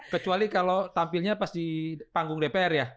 kecuali kalau tampilnya pas di panggung dpr ya